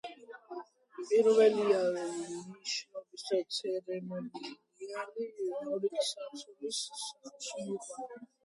პირველია ნიშნობის ცერემონიალი, მეორე კი საცოლის სახლში მიყვანა.